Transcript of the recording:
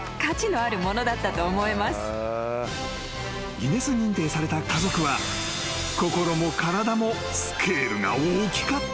［ギネス認定された家族は心も体もスケールが大きかった］